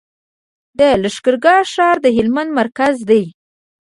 د لښکرګاه ښار د هلمند مرکز دی